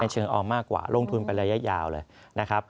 เป็นเชิงออมมากกว่าลงทุนเป็นระยะยาวเลย